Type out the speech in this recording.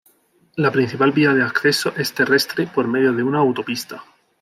La principal via de acceso es terrestre por medio de una autopista.